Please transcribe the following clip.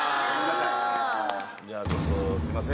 じゃあちょっとすいません